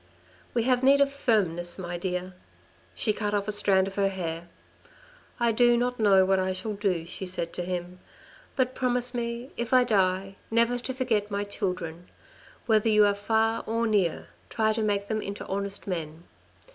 "We have need of firmness, my dear." She cut off a strand of her hair. " I do no know what I shall do," she said to him, " but promise me if I die, never to forget my children. Whether you are far or near, try to make them into honest men.